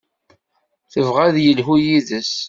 Yebɣa ad yelḥu yid-s.